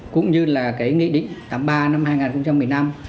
cũng như là cái nghị định tám mươi ba năm hai nghìn một mươi năm